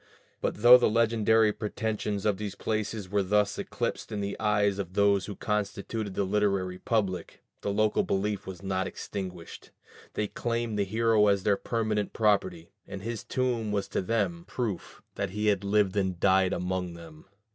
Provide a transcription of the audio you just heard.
But though the legendary pretensions of these places were thus eclipsed in the eyes of those who constituted the literary public, the local belief was not extinguished; they claimed the hero as their permanent property, and his tomb was to them a proof that he had lived and died among them.